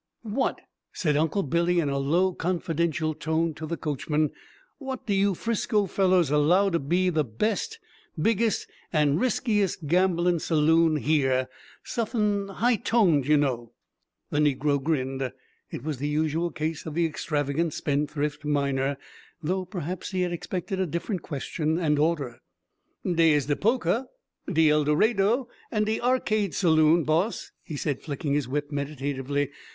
"Wot," said Uncle Billy in a low confidential tone to the coachman, "wot do you 'Frisco fellers allow to be the best, biggest, and riskiest gamblin' saloon here? Suthin' high toned, you know?" The negro grinned. It was the usual case of the extravagant spendthrift miner, though perhaps he had expected a different question and order. "Dey is de 'Polka,' de 'El Dorado,' and de 'Arcade' saloon, boss," he said, flicking his whip meditatively.